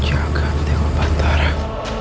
jangan biarkan aku keemukan pak